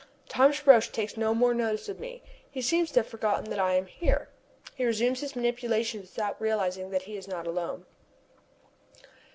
Thomas Roch takes no more notice of me. He seems to have forgotten that I am here. He has resumed his manipulations without realizing that he is not alone.